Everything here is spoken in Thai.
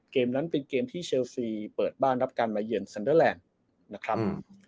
เกมนั้นเป็นเกมที่เชลซีเปิดบ้านรับการมายเย็นซันเดอร์แหล่ง